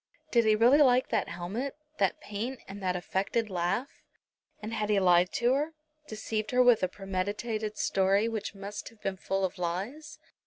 Did he really like that helmet, that paint and that affected laugh? And had he lied to her, deceived her with a premeditated story which must have been full of lies?